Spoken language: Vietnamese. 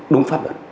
đúng pháp luật